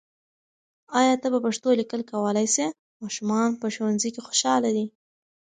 آیا ته په پښتو لیکل کولای سې؟ ماشومان په ښوونځي کې خوشاله دي.